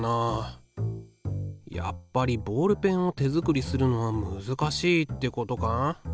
やっぱりボールペンを手作りするのは難しいってことか？